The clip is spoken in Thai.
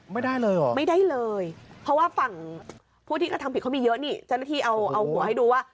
ไม่ได้เลยเหรอไม่ได้เลยเพราะว่าฝั่งผู้ที่กระทำผิดเขามีเยอะนี่เจ้าหน้าที่เอาหัวให้ดูว่า